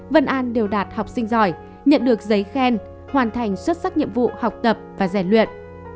vân an đều đạt học sinh giỏi nhận được giấy khen hoàn thành xuất sắc nhiệm vụ học tập và rèn luyện